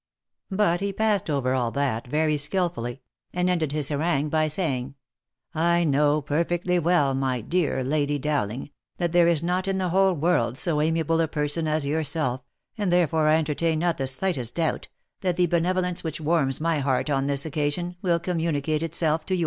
But he passed all that over very skilfully, and ended his harangue by saying, " I know perfectly well, my dear lady Dowling, that there is not in the whole world so amiable a person as yourself, and therefore I enter tain not the slightest doubt, that the benevolence which warms my heart on this occasion, will communicate itself to yours."